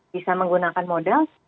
bisa menggunakan modal